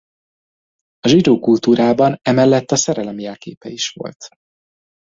A zsidó kultúrában emellett a szerelem jelképe is volt.